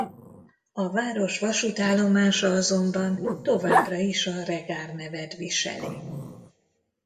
A város vasútállomása azonban továbbra is a Regar nevet viseli.